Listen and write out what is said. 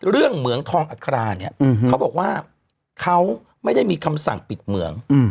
เหมืองทองอัคราเนี่ยเขาบอกว่าเขาไม่ได้มีคำสั่งปิดเหมือง